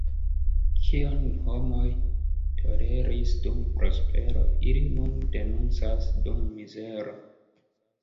Kion homoj toleris dum prospero, ili nun denuncas dum mizero.